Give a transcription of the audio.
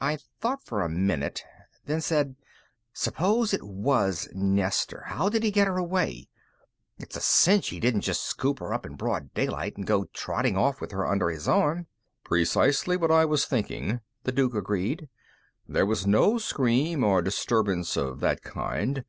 I thought for a minute, then said, "Suppose it was Nestor. How did he get her away? It's a cinch he didn't just scoop her up in broad daylight and go trotting off with her under his arm." "Precisely what I was thinking," the Duke agreed. "There was no scream or disturbance of that kind.